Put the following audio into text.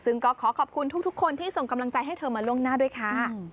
ซึ่งก็ขอขอบคุณทุกคนที่ส่งกำลังใจให้เธอมาล่วงหน้าด้วยค่ะ